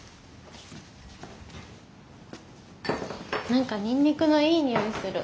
何かにんにくのいい匂いがする。